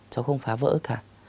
cháu không phá vỡ cả